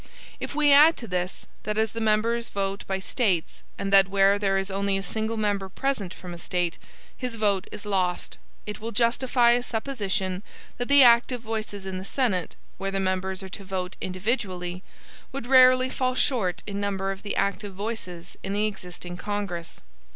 If we add to this, that as the members vote by States, and that where there is only a single member present from a State, his vote is lost, it will justify a supposition that the active voices in the Senate, where the members are to vote individually, would rarely fall short in number of the active voices in the existing Congress.